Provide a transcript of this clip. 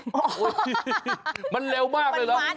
โอ๊ยมันเร็วมากเลยแล้ว